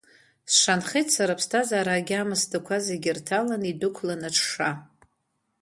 Сшанхеит сара аԥсҭазаара агьама сдақәа зегь ирҭалан идәықәлан аҽша.